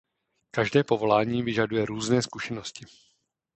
Každé povolání vyžaduje různé zkušenosti.